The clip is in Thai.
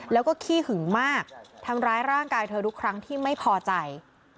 แล้วก็ขี้หึงมากทำร้ายร่างกายเธอทุกครั้งที่ไม่พอใจ